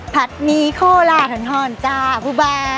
พัดมี่โคนาทฮรณ์ฮ่อนจ่ะผู้เปล้า